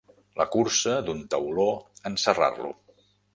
La cursa d'un tauló en serrar-lo.